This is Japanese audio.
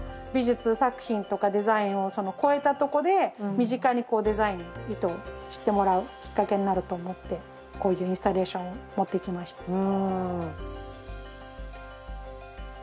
美術作品とかデザインを超えたとこで身近にこうデザインを意図してもらうきっかけになると思ってこういうインスタレーションを持ってきました。